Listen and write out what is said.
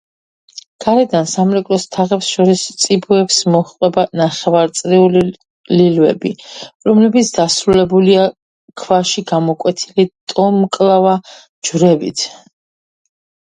გარედან სამრეკლოს თაღებს შორის წიბოებს მოჰყვება ნახევაწრიული ლილვები, რომლებიც დასრულებულია ქვაში გამოკვეთილი ტოლმკლავა ჯვრებით.